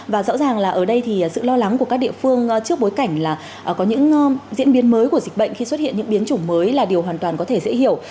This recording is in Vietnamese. và rõ ràng là ở đây thì sự lo lắng của các địa phương trước bối cảnh là có những diễn biến mới của dịch bệnh khi xuất hiện những biến chủng mới là điều hoàn toàn có thể dễ hiểu